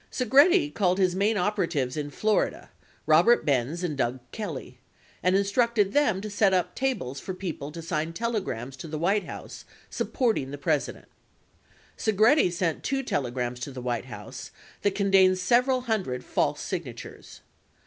51 Segretti called his main operatives in Florida, Robert Benz and Doug Kelly 52 and instructed them to set up tables for people to sign telegrams to the White House supporting the Pres ident. Segretti sent two telegrams to the White House that contained several hundred false signatures.